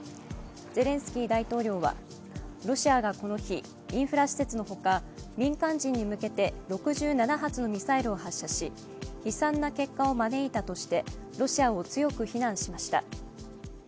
ゼレンスキー大統領は、ロシアがこの日、インフラ施設のほか、民間人に向けて６７発のミサイルを発射し悲惨な結果を招いたとしてロシアを強く非難しました。